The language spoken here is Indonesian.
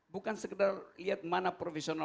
bukan sekedar lihat mana profesional